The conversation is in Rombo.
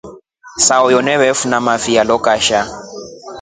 Sahuyo alefine mafina alo kashaa.